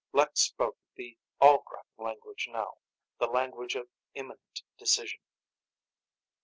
Lek spoke the Ollgrat language now, the language of imminent decision.